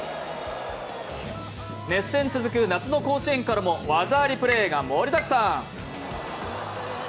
熱戦続く夏の甲子園からも技ありプレーが盛りだくさん。